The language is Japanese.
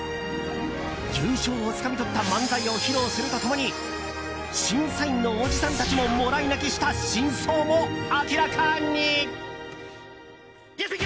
優勝をつかみ取った漫才を披露すると共に審査員のおじさんたちももらい泣きした真相も明らかに。